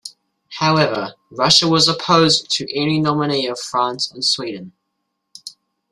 However, Russia was opposed to any nominee of France and Sweden.